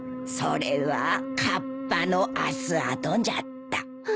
それはカッパの足跡じゃった。